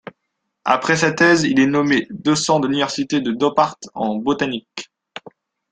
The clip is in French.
Après sa thèse, il est nommé docent de l'université de Dorpat en botanique.